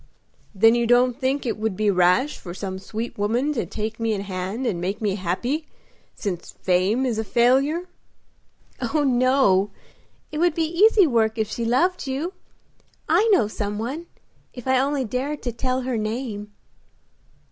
"Then you don't think it would be rash for some sweet woman to take me in hand and make me happy, since fame is a failure?" "Oh, no; it would be easy work if she loved you. I know some one if I only dared to tell her name."